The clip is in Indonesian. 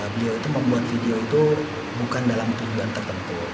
beliau itu membuat video itu bukan dalam tujuan tertentu